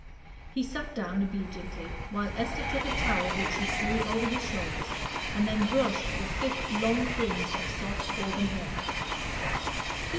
He sat down obediently, while Esther took a towel, which she threw over his shoulders, and then brushed the thick, long fringe of soft auburn hair.